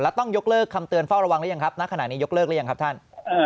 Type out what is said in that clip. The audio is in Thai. แล้วต้องยกเลิกคำเตือนเฝ้าระวังหรือยังครับณขณะนี้ยกเลิกหรือยังครับท่าน